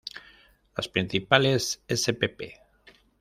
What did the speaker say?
Las principales spp.